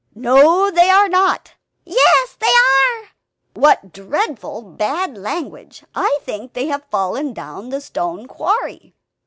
"No they are not." "Yes they are!" "What dreadful bad language! I think they have fallen down the stone quarry."